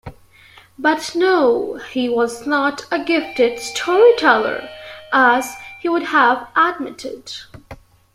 But, no, he was not a gifted storyteller, as he would have admitted.